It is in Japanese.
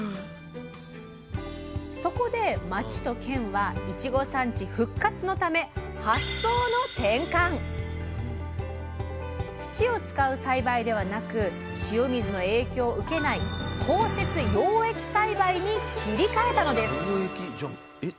そこで町と県はいちご産地復活のため土を使う栽培ではなく塩水の影響を受けない「高設養液栽培」に切り替えたのです